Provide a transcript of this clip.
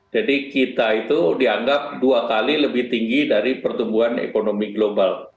jadi kita itu dianggap dua kali lebih tinggi dari pertumbuhan ekonomi global